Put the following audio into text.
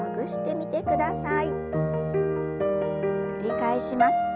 繰り返します。